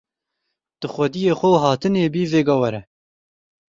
Tu xwediyê xwe û hatinê bî, vêga were.